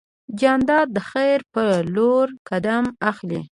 جانداد د خیر په لور قدم اخلي.